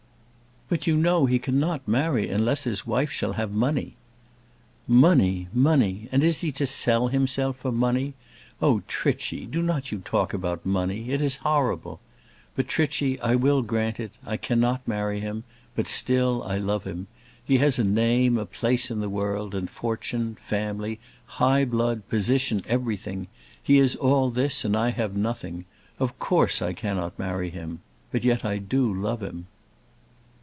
"But you know he cannot marry unless his wife shall have money." "Money money; and he is to sell himself for money? Oh, Trichy! do not you talk about money. It is horrible. But, Trichy, I will grant it I cannot marry him; but still, I love him. He has a name, a place in the world, and fortune, family, high blood, position, everything. He has all this, and I have nothing. Of course I cannot marry him. But yet I do love him."